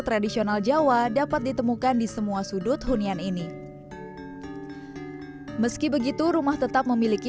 tradisional jawa dapat ditemukan di semua sudut hunian ini meski begitu rumah tetap memiliki